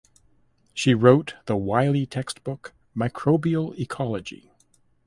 She wrote the Wiley textbook "Microbial Ecology".